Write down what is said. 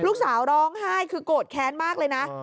ร้องไห้คือโกรธแค้นมากเลยนะ